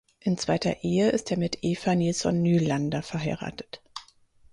In zweiter Ehe ist er mit Eva Nilsson Nylander verheiratet.